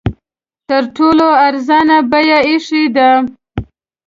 تر ټولو ارزانه بیه ایښې ده.